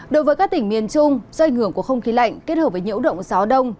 đối với các tỉnh miền trung do ảnh hưởng của không khí lạnh kết hợp với nhiễu động gió đông